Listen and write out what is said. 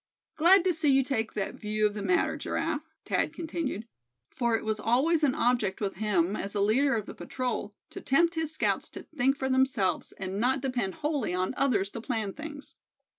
"Glad to see you take that view of the matter. Giraffe," Thad continued, for it was always an object with him, as the leader of the patrol, to tempt his scouts to think for themselves, and not depend wholly on others to plan things.